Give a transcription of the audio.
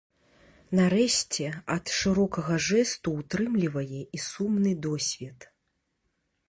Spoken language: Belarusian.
Нарэшце, ад шырокага жэсту ўтрымлівае і сумны досвед.